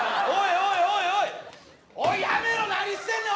おいおいおいやめろ何してんねん！